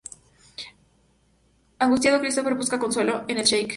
Angustiado, Christopher busca consuelo en el sake.